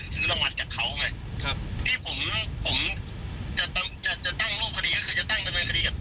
เพราะว่าโอนเงินให้คุณหญิงนะครับ